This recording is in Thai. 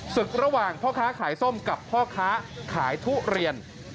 ศึกระหว่างพ่อค้าขายส้มกับพ่อค้าขายทุเรียน